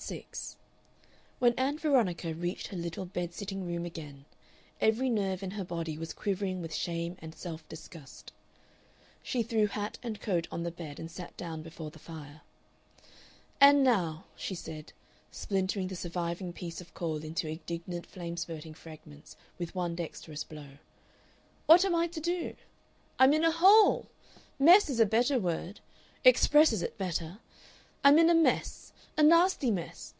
Part 6 When Ann Veronica reached her little bed sitting room again, every nerve in her body was quivering with shame and self disgust. She threw hat and coat on the bed and sat down before the fire. "And now," she said, splintering the surviving piece of coal into indignant flame spurting fragments with one dexterous blow, "what am I to do? "I'm in a hole! mess is a better word, expresses it better. I'm in a mess a nasty mess!